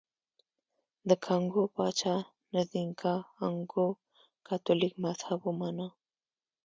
د کانګو پاچا نزینګا ا نکؤو کاتولیک مذهب ومانه.